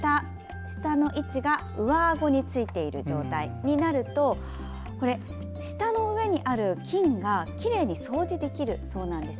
舌が上あごについた状態になると舌の上にある菌が、きれいに掃除できるようになります。